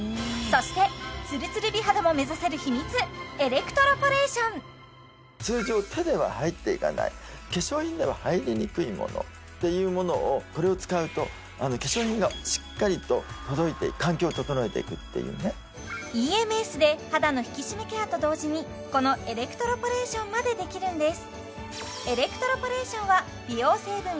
そしてツルツル美肌も目指せる秘密エレクトロポレーション通常手では入っていかない化粧品では入りにくいものっていうものをこれを使うと化粧品がしっかりと届いて環境を整えていくっていうねＥＭＳで肌の引き締めケアと同時にこのエレクトロポレーションまでできるんです